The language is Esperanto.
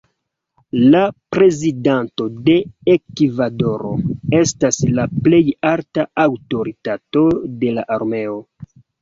La prezidanto de Ekvadoro estas la plej alta aŭtoritato de la armeo.